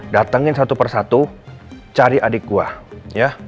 datengin satu persatu cari adik gue ya